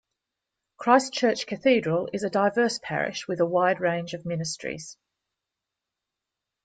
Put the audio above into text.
Christ Church Cathedral is a diverse parish with a wide range of ministries.